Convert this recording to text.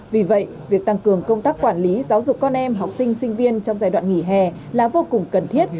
vì vậy việc tăng cường công tác quản lý giáo dục con em học sinh sinh viên trong giai đoạn nghỉ hè là vô cùng cần thiết